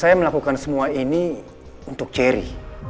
saya melakukan semua ini untuk cherry